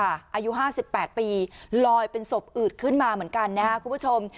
อายุ๕๘ปีลอยเป็นศพอืดขึ้นมาเหมือนกันนะครับคุณผู้ชม